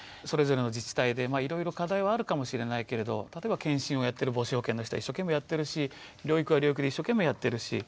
それぞれの自治体でいろいろ課題はあるかもしれないけれど例えば健診をやってる母子保健の人は一生懸命やってるし療育は療育で一生懸命やってるし。